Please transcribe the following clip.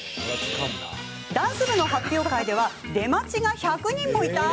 ダンス部の発表会では出待ちが１００人もいた！？